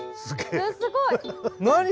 すごい。何？